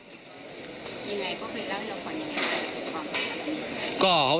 ยังไงก็คือเล่าให้เราควรยังไง